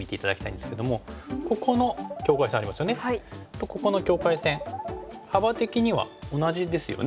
とここの境界線幅的には同じですよね。